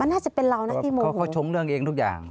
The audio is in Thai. มันน่าจะเป็นเราน่ะที่โมโหเขาชงเรื่องเองทุกอย่าง